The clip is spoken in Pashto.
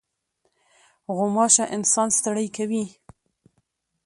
غوماشه انسان ستړی کوي.